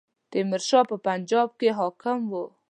تیمور شاه په پنجاب کې حاکم وو.